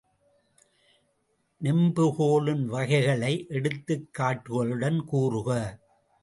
நெம்புகோலின் வகைகளை எடுத்துக்காட்டுகளுடன் கூறுக.